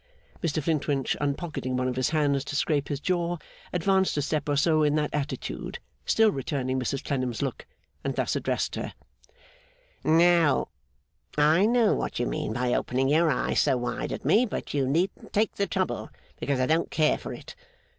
Mr Flintwinch, unpocketing one of his hands to scrape his jaw, advanced a step or so in that attitude, still returning Mrs Clennam's look, and thus addressed her: 'Now, I know what you mean by opening your eyes so wide at me, but you needn't take the trouble, because I don't care for it.